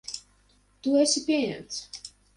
Tu esi pieņemts.